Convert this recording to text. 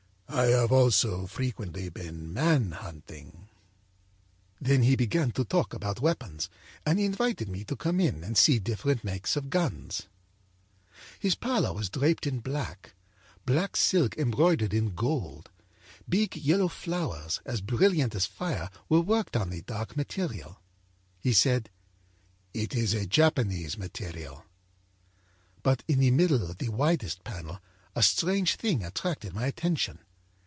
â'I have also frequently been man hunting.' âThen he began to talk about weapons, and he invited me to come in and see different makes of guns. âHis parlor was draped in black, black silk embroidered in gold. Big yellow flowers, as brilliant as fire, were worked on the dark material. âHe said: â'It is a Japanese material.' âBut in the middle of the widest panel a strange thing attracted my attention.